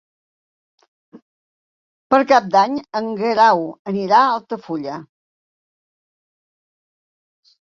Per Cap d'Any en Guerau anirà a Altafulla.